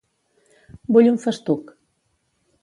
Vull un festuc.